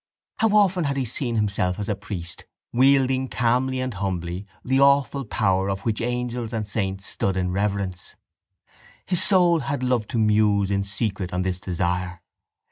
How often had he seen himself as a priest wielding calmly and humbly the awful power of which angels and saints stood in reverence! His soul had loved to muse in secret on this desire.